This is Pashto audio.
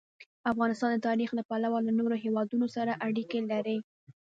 افغانستان د تاریخ له پلوه له نورو هېوادونو سره اړیکې لري.